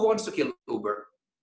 dan saya berkata